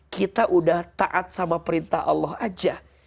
kita sudah taat sama perintah allah saja